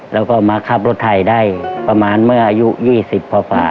แล้วก็มาขับรถไทยได้ประมาณเมื่ออายุ๒๐กว่า